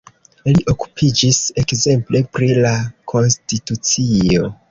Li okupiĝis ekzemple pri la konstitucio.